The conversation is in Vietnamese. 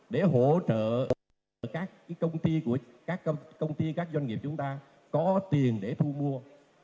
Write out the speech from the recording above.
để hỗ trợ các công ty các doanh nghiệp chúng ta có tiền để thu mua